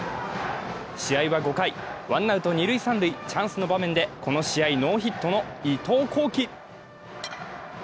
試合は５回、ワンアウト二・三塁、チャンスの場面でこの試合ノーヒットの伊藤光輝。